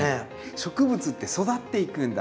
植物って育っていくんだ